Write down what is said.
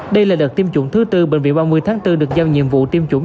đây là đợt tiêm chủng thứ tư bệnh viện ba mươi tháng bốn được giao nhiệm vụ tiêm chủng